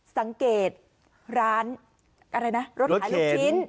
สังเกตร้านอะไรนะรถขายลูกชิ้น